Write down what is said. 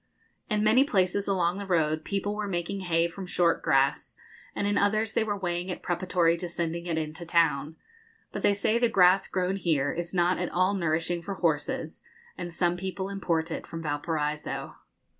In many places along the road people were making hay from short grass, and in others they were weighing it preparatory to sending it into town. But they say the grass grown here is not at all nourishing for horses, and some people import it from Valparaiso.